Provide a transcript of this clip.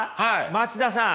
松田さん。